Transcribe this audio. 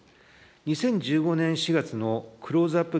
２０１５年４月のクローズアップ